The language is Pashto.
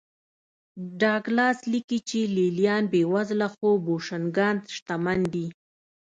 ډاګلاس لیکي چې لې لیان بېوزله خو بوشونګان شتمن دي